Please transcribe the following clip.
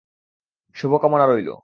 শুভ কামনা রইলো।